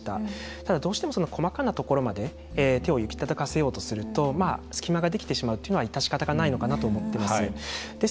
ただどうしても細かなところまで手を行き届かせようとすると隙間ができてしまうっていうのは致し方ないのかなと思っています。